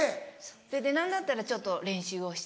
何だったらちょっと練習をして。